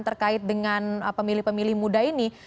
terkait dengan pemilih pemilih muda ini